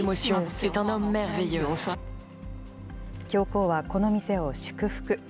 教皇はこの店を祝福。